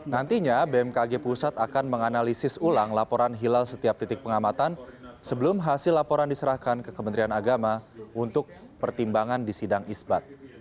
nantinya bmkg pusat akan menganalisis ulang laporan hilal setiap titik pengamatan sebelum hasil laporan diserahkan ke kementerian agama untuk pertimbangan di sidang isbat